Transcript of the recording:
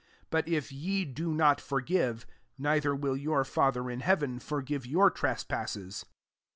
24 But if ye do not forgive, neither will your Father in heaven, foi^ve your trespasses.